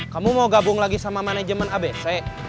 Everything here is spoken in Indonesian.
kamu mau gabung lagi sama manajemen abc